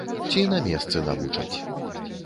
Ці на месцы навучаць.